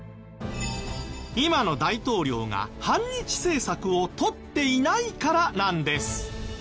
今の大統領が反日政策をとっていないからなんです。